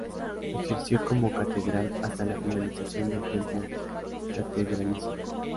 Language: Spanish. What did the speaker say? Ejerció como Catedral hasta la finalización del templo catedralicio.